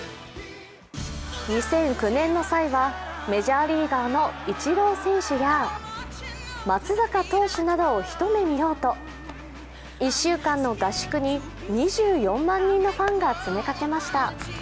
２００９年の際はメジャーリーガーのイチロー選手や松坂投手などを一目見ようと１週間の合宿に２４万人のファンが詰めかけました。